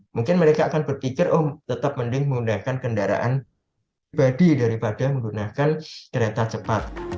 mungkin mereka akan berpikir oh tetap mending menggunakan kendaraan pribadi daripada menggunakan kereta cepat